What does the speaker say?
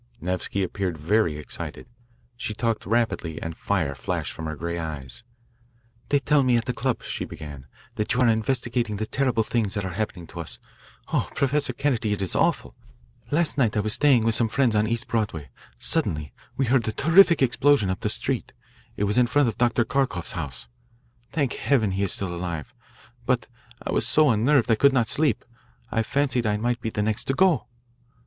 Nevsky appeared very excited. She talked rapidly, and fire flashed from her grey eyes. "They tell me at the club," she began, " that you are investigating the terrible things that are happening to us. Oh, Professor Kennedy, it is awful! Last night I was staying with some friends on East Broadway. Suddenly we heard a terrific explosion up the street. It was in front of Dr. Kharkoff's house. Thank Heaven, he is still alive! But I was so unnerved I could not sleep. I fancied I might be the next to go.